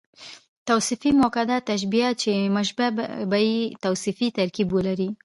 توصيفي مؤکده تشبیه، چي مشبه به ئې توصیفي ترکيب ولري.